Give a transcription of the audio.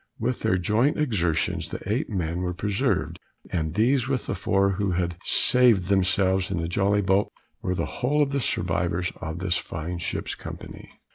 With their joint exertions, the eight men were preserved, and these with the four who had saved themselves in the jolly boat, were the whole of the survivors of this fine ship's company.